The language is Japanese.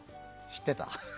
知ってた？